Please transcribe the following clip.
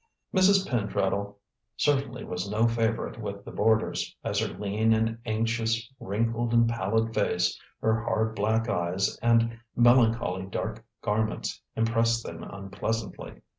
Mrs. Pentreddle certainly was no favourite with the boarders, as her lean and anxious, wrinkled and pallid face, her hard black eyes and melancholy dark garments impressed them unpleasantly.